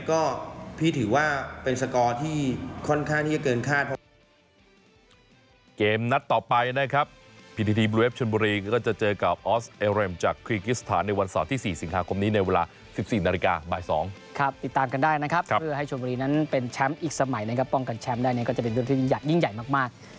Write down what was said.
ก็พี่ถือว่าเป็นสกอร์ที่ค่อนข้างที่จะเกินคาดครับ